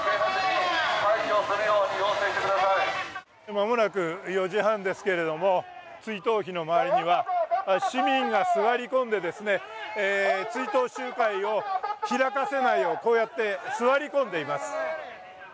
間もなく４時半ですけれども追悼碑の周りには、市民が座り込んで追悼集会を開かせないよう、こうやって座り込んでいます。